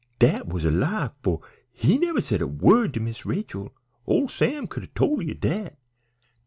Dat was a lie, for he never said a word to Miss Rachel; ole Sam could tole you dat.